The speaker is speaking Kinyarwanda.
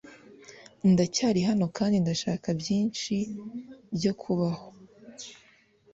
Ndacyari hano kandi ndashaka byinshi byo kubaho